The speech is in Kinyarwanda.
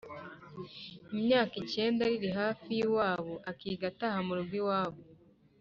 imyaka ikenda riri hafi y’iwabo, akiga ataha mu rugo iwabo.